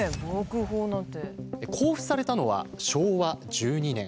公布されたのは昭和１２年。